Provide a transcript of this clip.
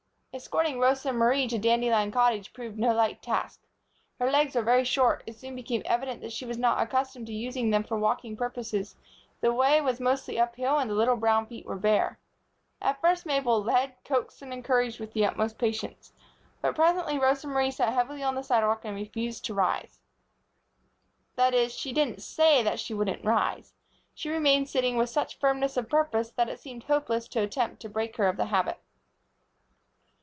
Escorting Rosa Marie to Dandelion Cottage proved no light task. Her legs were very short, it soon became evident that she was not accustomed to using them for walking purposes, the way was mostly uphill and the little brown feet were bare. At first Mabel led, coaxed and encouraged with the utmost patience; but presently Rosa Marie sat heavily on the sidewalk and refused to rise. That is, she didn't say that she wouldn't rise. She remained sitting with such firmness of purpose that it seemed hopeless to attempt to break her of the habit.